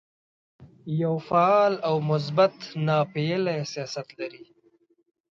یو فعال او مثبت ناپېیلی سیاست لري.